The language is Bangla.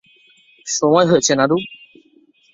সময় হয়েছে, নারু।